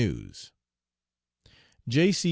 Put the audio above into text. News.) "J. C.